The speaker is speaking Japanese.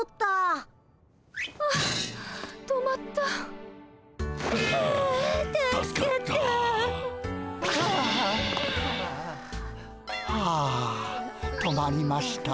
はあ止まりました。